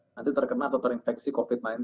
nanti terkena atau terinfeksi covid sembilan belas